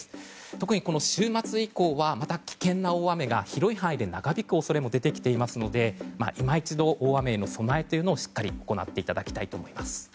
特に週末以降はまた危険な大雨が広い範囲で長引く恐れも出てきていますので今一度、大雨への備えをしっかり行っていただきたいと思います。